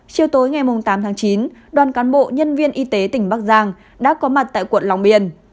chiều tối ngày tám tháng chín đoàn cán bộ nhân viên y tế tỉnh bắc giang đã có mặt tại quận long biên